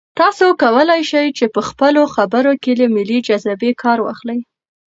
تاسي کولای شئ په خپلو خبرو کې له ملي جذبې کار واخلئ.